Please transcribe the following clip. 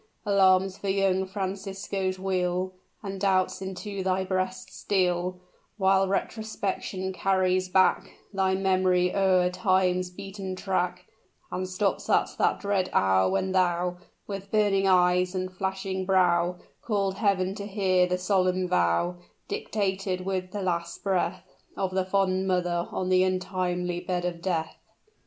Alarms for young Francisco's weal, And doubts into thy breast steal; While retrospection carries back Thy memory o'er time's beaten track And stops at that dread hour when thou With burning eyes and flashing brow, Call'd Heaven to hear the solemn vow Dictated with the latest breath Of the fond mother on the untimely bed of death."